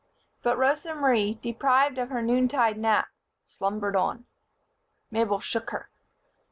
But Rosa Marie, deprived of her noontide nap, slumbered on. Mabel shook her.